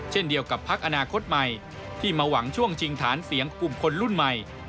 เช่นเดียวกับพักอนาคตใหม่ที่มาหวังช่วงชิงฐานเสียงกลุ่มคนรุ่นใหม่